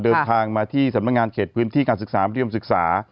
เดินทางมาที่สำนักงานเขตพื้นที่การศึกษาเรียมศึกษา